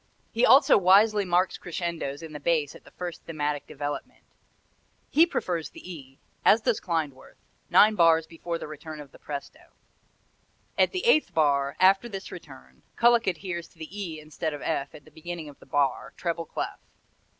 He also wisely marks crescendos in the bass at the first thematic development. He prefers the E as does Klindworth nine bars before the return of the presto. At the eighth bar, after this return, Kullak adheres to the E instead of F at the beginning of the bar, treble clef.